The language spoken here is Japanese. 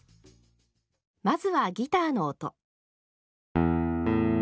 まずはギターの音。